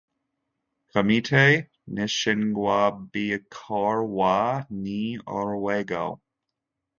Komite Nshingwabikorwa ni urwego